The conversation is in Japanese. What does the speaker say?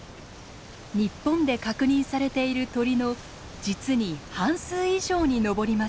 日本で確認されている鳥の実に半数以上に上ります。